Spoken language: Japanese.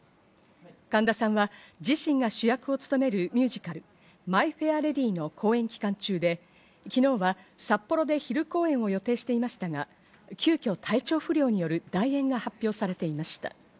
神田さんは自身が主役を務めるミュージカル、『マイ・フェア・レディ』の公演期間中で、昨日は札幌で昼公演を予定していましたが、急きょ体調不良による代演が発表されていました。